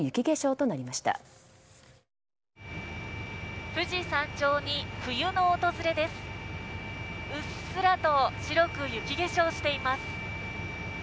うっすらと白く雪化粧しています。